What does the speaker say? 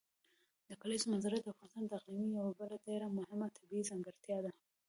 د کلیزو منظره د افغانستان د اقلیم یوه بله ډېره مهمه طبیعي ځانګړتیا ده.